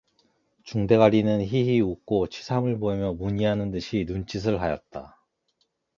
중대가리는 희희 웃고 치삼을 보며 문의하는 듯이 눈짓을 하였다.